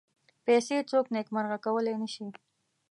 پیسې څوک نېکمرغه کولای نه شي.